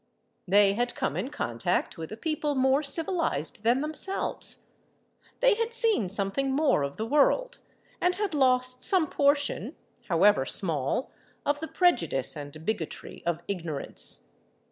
They had come in contact with a people more civilised than themselves; they had seen something more of the world, and had lost some portion, however small, of the prejudice and bigotry of ignorance.